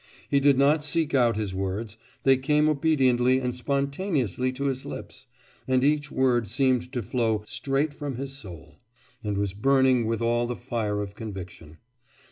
He did not seek out his words; they came obediently and spontaneously to his lips, and each word seemed to flow straight from his soul, and was burning with all the fire of conviction.